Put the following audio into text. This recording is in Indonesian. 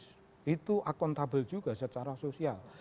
kalau demokratis itu akuntabel juga secara sosial